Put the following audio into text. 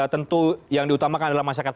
tentu yang diutamakan adalah masyarakat